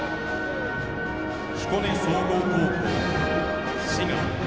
彦根総合高校・滋賀。